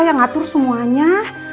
yang ngatur semuanya